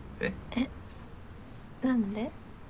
えっ何で？